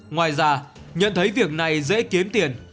ngoài ra nhận thấy việc này dễ kiếm tiền